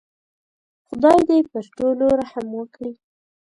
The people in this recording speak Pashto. خدای دې پر ټولو رحم وکړي.